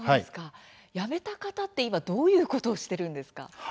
辞めた方は今どういうことをしているんですか。